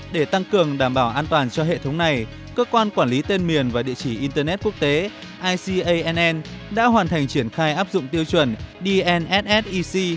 để tăng cường đảm bảo an toàn cho hệ thống này cơ quan quản lý tên miền và địa chỉ internet quốc tế ican đã hoàn thành triển khai áp dụng tiêu chuẩn dssic